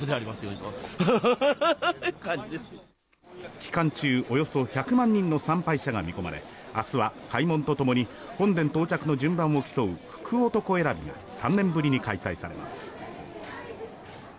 期間中、およそ１００万人の参拝者が見込まれ明日は開門とともに本殿到着の順番を競う福男選びが３年ぶりに開催されます。